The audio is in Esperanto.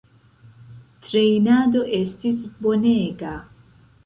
Trejnado estis bonega.